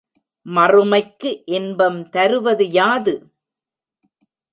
மறுமைக்கு இன்பம் தருவது யாது?